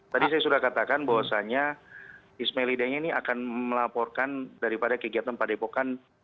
tadi saya sudah katakan bahwasannya isme lidahnya ini akan melaporkan daripada kegiatan padepokan